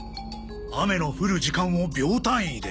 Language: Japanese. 雨の降る時間を秒単位で。